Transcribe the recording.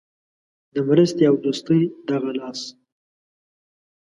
د مرستې او دوستۍ دغه لاس.